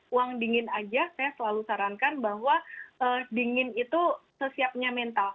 uang dingin aja saya selalu sarankan bahwa dingin itu sesiapnya mental